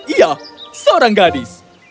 iya seorang gadis